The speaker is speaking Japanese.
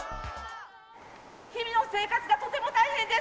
日々の生活がとても大変です。